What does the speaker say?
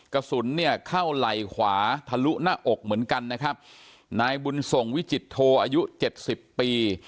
กระสุนเนี่ยเข้าไหล่ขวาทะลุหน้าอกเหมือนกันนะครับนายบุญส่งวิจิตโทอายุเจ็ดสิบปี